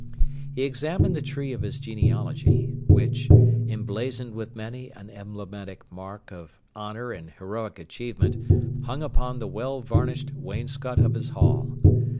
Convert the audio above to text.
He examined the tree of his genealogy, which, emblazoned with many an emblematic mark of honour and heroic achievement, hung upon the well varnished wainscot of his hall.